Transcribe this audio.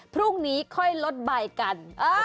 พรุ่งนี้ค่อยลดใบกัน